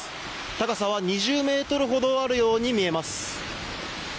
高さは２０ｍほどあるように見えます。